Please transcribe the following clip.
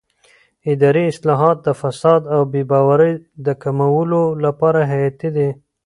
اداري اصلاحات د فساد او بې باورۍ د کمولو لپاره حیاتي دي